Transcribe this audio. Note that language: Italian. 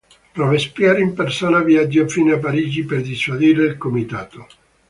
Robespierre in persona viaggiò fino a Parigi per dissuadere il Comitato.